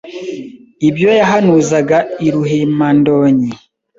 Ibyo yahanuzaga i Ruhimandonyi